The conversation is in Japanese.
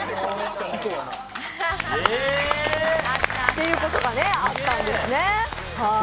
ということがあったんですね、ハイ。